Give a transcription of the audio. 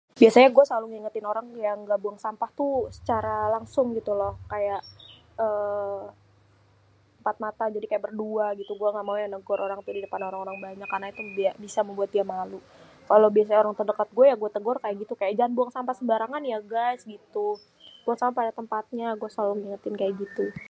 Biasanya gua selalu ngingetin orang yang ga buang sampah tuh secara langsung gituloh, kaya eee mpat mata jadi kaya berdua gitu gua engga mau negor orang didepan orang banyak karena itu bisa membuat dia malu. Kalo biasa orang terdekat gué ya gue tegor kaya gitu jangan buang sampah sembarangan ya guys gitu, buang sampah pada tempatnya gua selalu ngingetin kaya gitu.